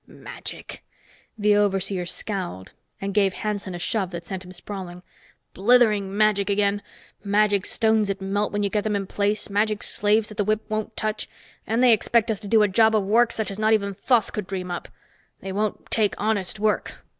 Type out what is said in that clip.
"Magic!" The overseer scowled and gave Hanson a shove that sent him sprawling. "Blithering magic again! Magic stones that melt when you get them in place magic slaves that the whip won't touch! And they expect us to do a job of work such as not even Thoth could dream up! They won't take honest work.